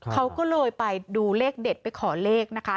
เขาก็เลยไปดูเลขเด็ดไปขอเลขนะคะ